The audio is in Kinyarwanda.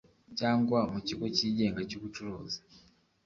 Cyangwa mu kigo cyigenga cy ubucuruzi